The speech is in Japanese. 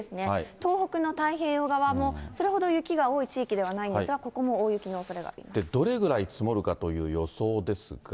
東北の太平洋側もそれほど雪が多い地域ではないんですが、ここもどれぐらい積もるかという予想ですが。